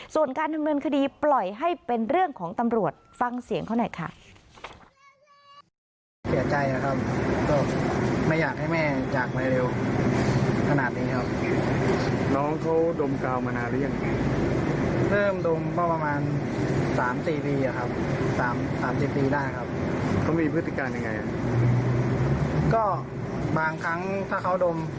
ส่วนการดำเนินคดีปล่อยให้เป็นเรื่องของตำรวจฟังเสียงเขาหน่อยค่ะ